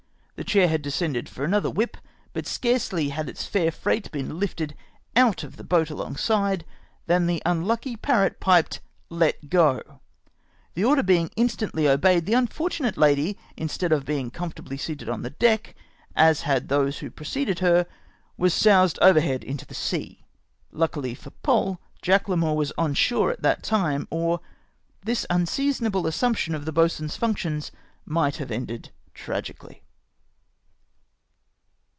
The chair liad descended for another " whip," but scarcely had its fair fi eight been hfted out of the boat alongside, than the unlucky parrot piped " Let go !" The order being instantly obeyed, the unfortunate lady, instead of being com fortably seated on deck, as had been those who preceded her, was soused overhead m the sea ! Luckily for Poll, Jack Larmour was on shore at the time, or this unsea sonable assumption of the boatswain's functions might have ended tragically.